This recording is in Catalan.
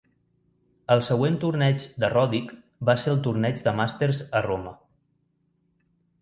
El següent torneig de Roddick va ser el torneig de Masters a Roma.